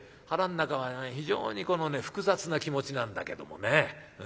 腹ん中は非常にこのね複雑な気持ちなんだけどもね。